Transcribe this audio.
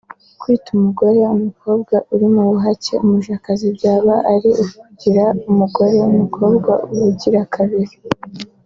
Kwita umugore/ umukobwa uri mu buhake ‘umujakazi’ byaba ari ukumugira umugore/umukobwa ubugira kabiri